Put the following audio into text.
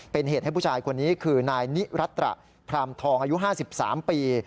เป็นเหตุให้ผู้ชายคนนี้คือนายนิรัตระพรามทองอายุ๕๓ปี